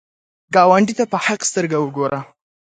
ګاونډي ته په حق سترګو وګوره